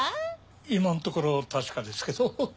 今のところ確かですけど。